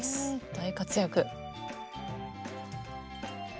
大活躍。